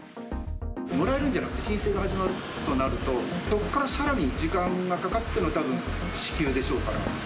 もらえるんじゃなくて申請が始まるとなると、そこからさらに時間がかかっての支給でしょうから。